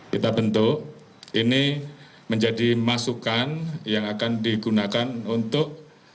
kita bentuk ini menjadi masukan yang akan digunakan untuk